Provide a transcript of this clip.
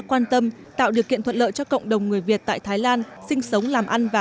quan tâm tạo điều kiện thuận lợi cho cộng đồng người việt tại thái lan sinh sống làm ăn và